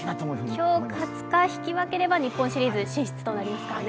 今日勝つか引き分ければ日本シリーズ進出となりますからね。